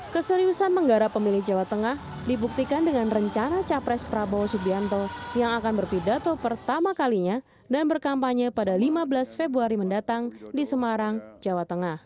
keseriusan menggarap pemilih jawa tengah dibuktikan dengan rencana capres prabowo subianto yang akan berpidato pertama kalinya dan berkampanye pada lima belas februari mendatang di semarang jawa tengah